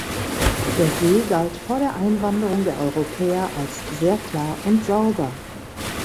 Der See galt vor der Einwanderung der Europäer als sehr klar und sauber.